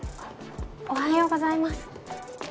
おはようございます。